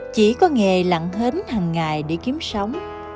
chỉ có nghề lặng hến hằng ngày để kiếm sống